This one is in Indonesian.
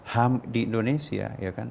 ham di indonesia ya kan